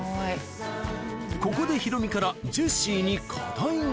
ここでヒロミからジェシーに課題が